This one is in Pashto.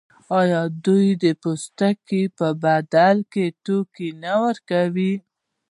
آیا دوی د پوستکو په بدل کې توکي نه ورکول؟